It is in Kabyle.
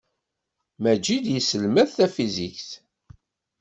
Maǧid yesselmad tafizikt.